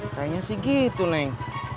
kayaknya sih gitu neng